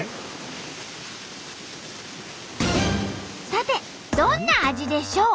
さてどんな味でしょう？